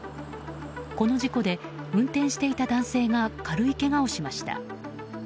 この事故で運転していた男性が軽いけがをしました。